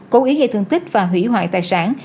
cố ý gây thương tích và hủy hoại tài sản